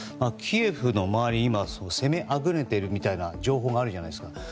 キエフの周りを攻めあぐねているみたいな情報があるじゃないですか。